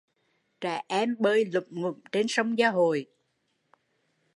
Trẻ em bơi lũm ngũm trên sông Gia Hội